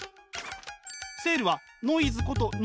セールはノイズこと